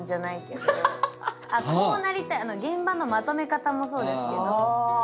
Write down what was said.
現場のまとめ方もそうですけど。